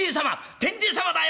天神様だよ